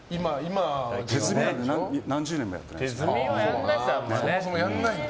手積みなんて何十年もやってないです。